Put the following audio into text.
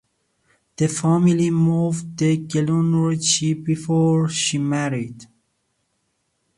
The family moved to Glenorchy before she married.